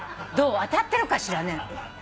当たってるかしらね？